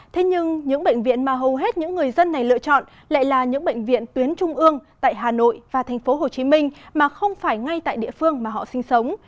thế nhưng những bệnh viện mà hầu hết những người dân này lựa chọn lại là những bệnh viện tuyến trung ương tại hà nội và tp hcm mà không phải ngay tại địa phương mà họ sinh sống